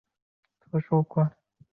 埃尚代利。